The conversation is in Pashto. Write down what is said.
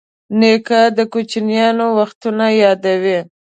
نیکه د کوچیانو وختونه یادوي.